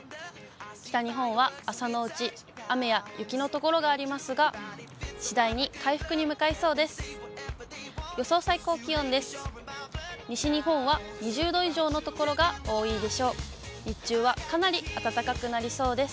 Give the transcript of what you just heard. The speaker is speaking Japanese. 北日本は朝のうち、雨や雪の所がありますが、次第に回復に向かいそうです。